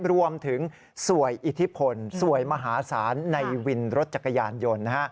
สวยอิทธิพลสวยมหาศาลในวินรถจักรยานยนต์